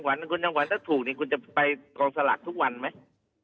วันคุณจังหวันถ้าถูกนี่คุณจะไปกองสลากทุกวันไหม